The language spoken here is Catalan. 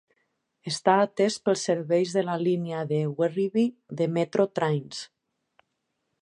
Està atès pels serveis de la línia de Werribee de Metro Trains.